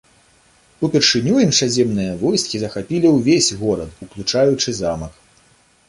Упершыню іншаземныя войскі захапілі ўвесь горад, уключаючы замак.